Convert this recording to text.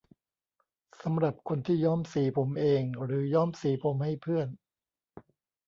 สำหรับคนที่ย้อมสีผมเอง หรือย้อมสีผมให้เพื่อน